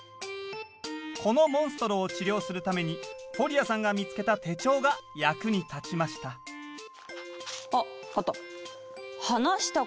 このモンストロを治療するためにフォリアさんが見つけた手帳が役に立ちましたああった。